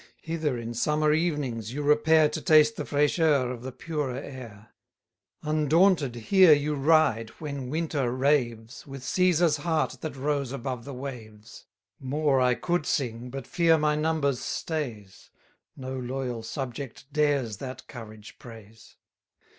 100 Hither in summer evenings you repair To taste the fraicheur of the purer air: Undaunted here you ride, when winter raves, With Cæsar's heart that rose above the waves. More I could sing, but fear my numbers stays; No loyal subject dares that courage praise.